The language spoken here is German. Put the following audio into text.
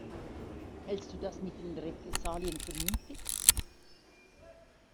Hältst du das mit den Repressalien für Mumpitz?